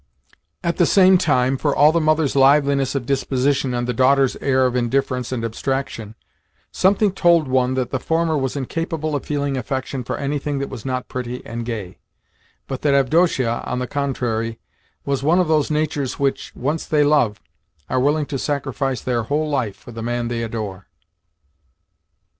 At the same time, for all the mother's liveliness of disposition and the daughter's air of indifference and abstraction, something told one that the former was incapable of feeling affection for anything that was not pretty and gay, but that Avdotia, on the contrary, was one of those natures which, once they love, are willing to sacrifice their whole life for the man they adore.